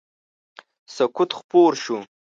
سکوت خپور شو.